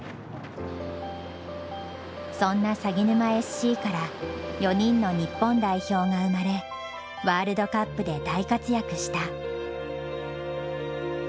そんなさぎぬまＳＣから４人の日本代表が生まれワールドカップで大活躍した。